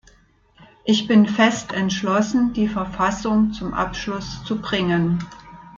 Ich bin fest entschlossen, die Verfassung zum Abschluss zu bringen.